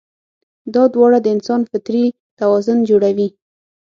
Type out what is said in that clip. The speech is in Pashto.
دا دواړه د انسان فطري توازن جوړوي.